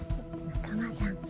仲間じゃん